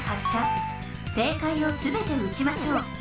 正解をすべて撃ちましょう。